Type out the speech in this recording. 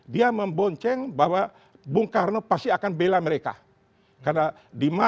kalau kita mulai karena europa terhadap usia kita